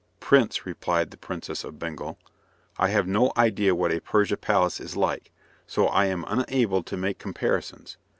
"Prince," replied the Princess of Bengal, "I have no idea what a Persian palace is like, so I am unable to make comparisons.